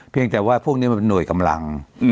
แต่ว่าพวกนี้มันเป็นหน่วยกำลัง